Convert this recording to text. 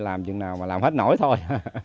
làm chừng nào mà làm hết nổi thôi